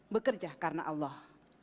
bekerja karena allah